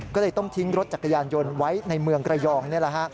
ก็เลยต้องทิ้งรถจักรยานยนต์ไว้ในเมืองกระยอง